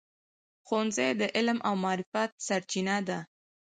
ښوونځی د علم او معرفت سرچینه ده.